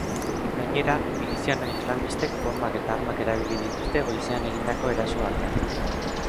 Gainera, miliziano islamistek bonbak eta armak erabili dituzte goizean egindako eraso batean.